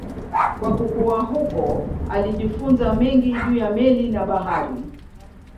Kwa kukua huko alijifunza mengi juu ya meli na bahari.